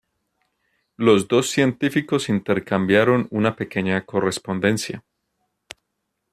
Los dos científicos intercambiaron una pequeña correspondencia.